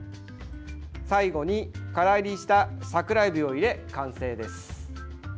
最後に乾煎りした桜えびを入れ完成です。